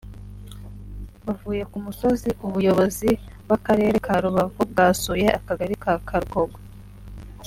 Bavuye ku musozi ubuyobozi b’akarere ka Rubavu bwasuye akagari ka Karukogo